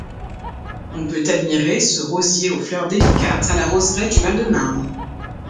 On peut admirer ce rosier aux fleurs délicates à la roseraie du Val-de-Marne.